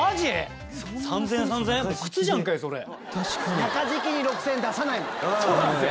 中敷きに６０００円出さないもんね。